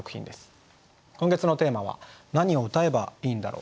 今月のテーマは「何を歌えばいいのだろう」。